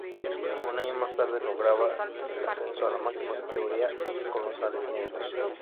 Un año más tarde lograba el ascenso a la máxima categoría con los albinegros.